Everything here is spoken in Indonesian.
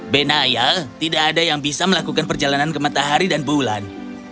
benaya tidak ada yang bisa melakukan perjalanan ke matahari dan bulan